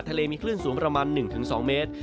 ทะเลมีคลื่นสูงประมาณ๑๒เมตร